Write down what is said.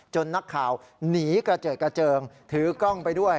นักข่าวหนีกระเจิดกระเจิงถือกล้องไปด้วย